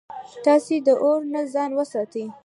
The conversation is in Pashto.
تاسي د اور نه ځان وساتئ